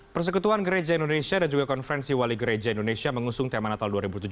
persekutuan gereja indonesia dan juga konferensi wali gereja indonesia mengusung tema natal dua ribu tujuh belas